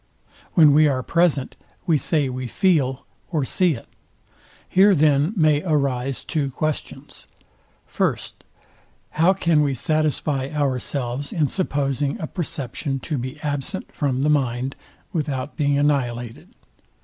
When we are present, we say we feel, or see it. Here then may arise two questions; First, How we can satisfy ourselves in supposing a perception to be absent from the mind without being annihilated.